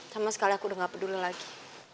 sama sekali aku udah gak peduli lagi